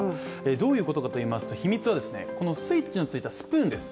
どういうことかといいますと秘密はこのスイッチのついたスプーンです。